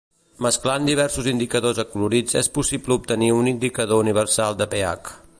Mesclant diversos indicadors acolorits és possible obtenir un indicador universal de pH.